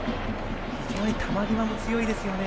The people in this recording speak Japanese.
非常に球際も強いですよね